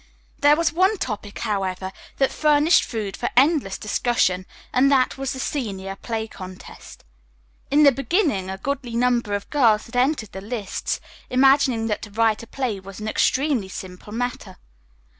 There was one topic, however, that furnished food for endless discussion, and that was the senior play contest. In the beginning a goodly number of girls had entered the lists, imagining that to write a play was an extremely simple matter.